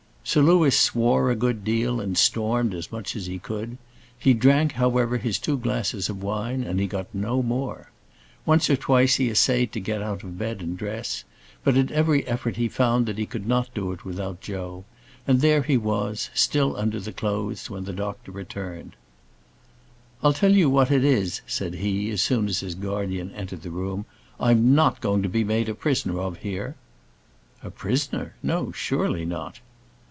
Sir Louis swore a good deal, and stormed as much as he could. He drank, however, his two glasses of wine, and he got no more. Once or twice he essayed to get out of bed and dress; but, at every effort, he found that he could not do it without Joe: and there he was, still under the clothes when the doctor returned. "I'll tell you what it is," said he, as soon as his guardian entered the room, "I'm not going to be made a prisoner of here." "A prisoner! no, surely not."